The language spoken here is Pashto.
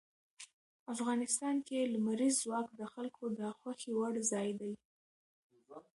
افغانستان کې لمریز ځواک د خلکو د خوښې وړ ځای دی.